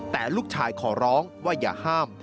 แต่ลูกชายขอร้องว่าอย่าห้าม